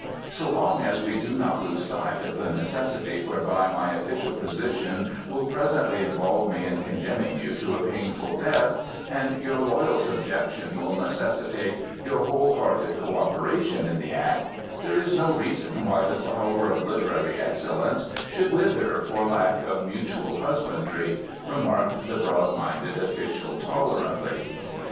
"So long as we do not lose sight of the necessity whereby my official position will presently involve me in condemning you to a painful death, and your loyal subjection will necessitate your whole hearted co operation in the act, there is no reason why the flower of literary excellence should wither for lack of mutual husbandry," remarked the broad minded official tolerantly.